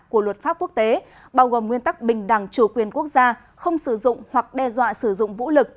của luật pháp quốc tế bao gồm nguyên tắc bình đẳng chủ quyền quốc gia không sử dụng hoặc đe dọa sử dụng vũ lực